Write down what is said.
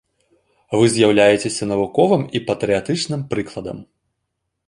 Вы з'яўляецеся навуковым і патрыятычным прыкладам.